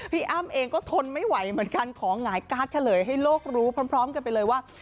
อ้ำเองก็ทนไม่ไหวเหมือนกันขอหงายการ์ดเฉลยให้โลกรู้พร้อมกันไปเลยว่า